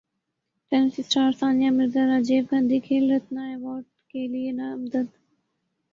tennis star Sania Mirza Rajiv Gandhi Khel Ratna ایوارڈکیلئے نامزد